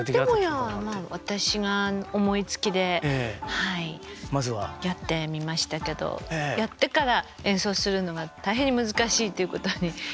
「おてもやん」は私が思いつきでやってみましたけどやってから演奏するのが大変に難しいっていうことに。